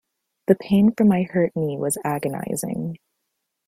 The pain from my hurt knee was agonizing.